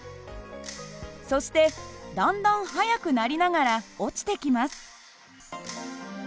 そしてだんだん速くなりながら落ちてきます。